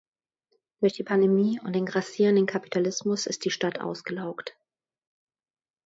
Durch die Pandemie und den grassierenden Kapitalismus ist die Stadt ausgelaugt.